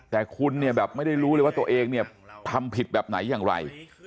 แต่คุณเนี่ยแบบไม่ได้รู้เลยว่าตัวเองเนี่ยทำผิดแบบไหนอย่างไร